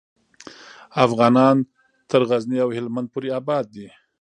افغانان تر غزني او هیلمند پورې آباد دي.